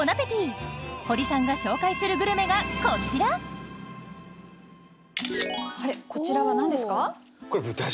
ホリさんが紹介するグルメがこちらこちらは何ですか？